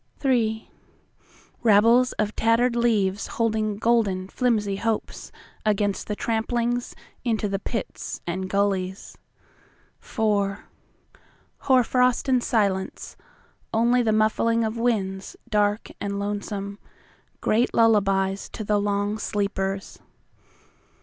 IIIRabbles of tattered leavesHolding golden flimsy hopesAgainst the tramplingsInto the pits and gullies. IVHoarfrost and silence:Only the mufflingOf winds dark and lonesome—Great lullabies to the long sleepers.